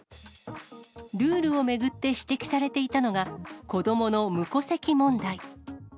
ルールを巡って指摘されていたのが、子どもの無戸籍問題。